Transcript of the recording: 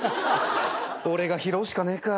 俺が拾うしかねえか。